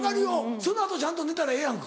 その後ちゃんと寝たらええやんか。